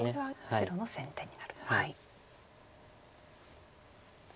白の先手になる。